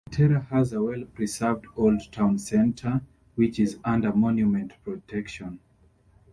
Teror has a well preserved old town centre, which is under monument protection.